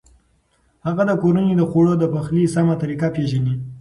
هغه د کورنۍ د خوړو د پخلي سمه طریقه پېژني.